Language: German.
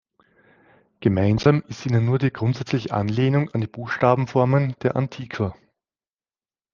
Gemeinsam ist ihnen nur die grundsätzliche Anlehnung an die Buchstabenformen der Antiqua.